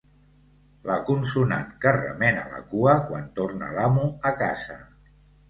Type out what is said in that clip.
La consonant que remena la cua quan torna l'amo a casa.